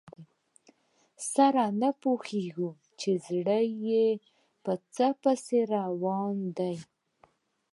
سر نه پوهېږي چې زړه په څه پسې روان دی.